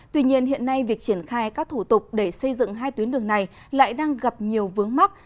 tuy nhiên hiện nay việc triển khai các thủ tục để xây dựng hai tuyến đường này lại đang gặp nhiều vướng mắt